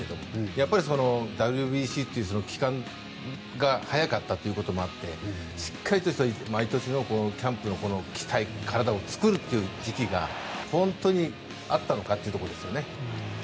やっぱりＷＢＣという期間が早かったということもあってしっかりとした毎年のキャンプの体を作るという時期があったのかというところですね。